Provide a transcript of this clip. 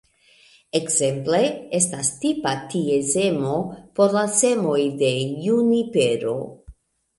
Ekzemple estas tipa ties emo por la semoj de junipero.